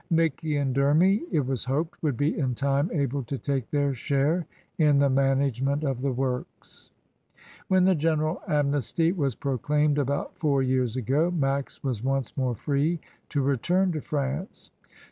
Micky and Denny, it was hoped, would be in time able to take their share in the management of the works. When the general amnesty was proclaimed about four years ago Max was once more free to return to France.